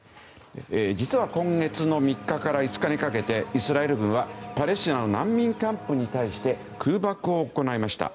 実は今月の３日から５日にかけてイスラエル軍はパレスチナの難民キャンプに対し空爆を行いました。